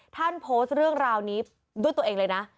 ท่านโพสต์เรื่องราวนี้ด้วยตัวเองเลยนะ